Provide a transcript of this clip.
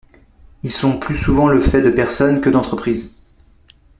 Ils sont plus souvent le fait de personnes que d'entreprises.